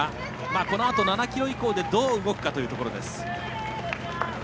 このあと７ｋｍ以降でどう動くかというところです。